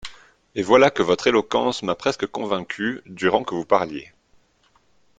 Et voilà que votre éloquence m'a presque convaincue durant que vous parliez.